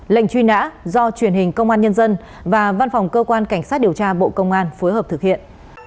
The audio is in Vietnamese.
lệnh truy nã do truyền hình công an nhân dân và văn phòng cơ quan cảnh sát điều tra bộ công an phối hợp thực hiện